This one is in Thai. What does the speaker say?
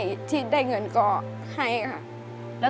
เพลงที่สองเพลงมาครับ